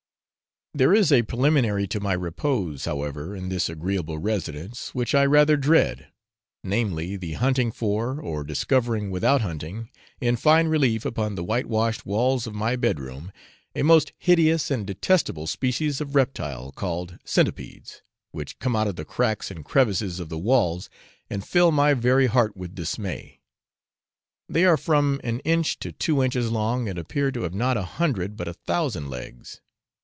There is a preliminary to my repose, however, in this agreeable residence, which I rather dread, namely, the hunting for, or discovering without hunting, in fine relief upon the white washed walls of my bed room, a most hideous and detestable species of reptile, called centipedes, which come out of the cracks and crevices of the walls, and fill my very heart with dismay. They are from an inch to two inches long, and appear to have not a hundred, but a thousand legs.